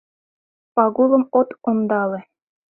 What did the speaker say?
Пагулым от ондале.